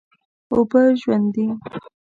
اوبه ژوند دي.